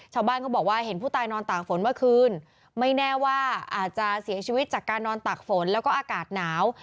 ชาวบ้านเขาบอกว่าเห็นผู้ตายนอนตากฝนเมื่อคืนไม่แน่ว่าอาจจะเสียชีวิตจากการนอนตากฝนแล้วก็อากาศหนาว